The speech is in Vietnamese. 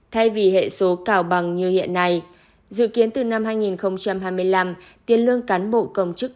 thay vì hệ số cao bằng như hiện nay dự kiến từ năm hai nghìn hai mươi năm tiền lương cán bộ công chức